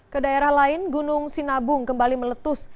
ke daerah lain gunung sinabung kembali meletus